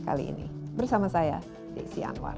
kali ini bersama saya desi anwar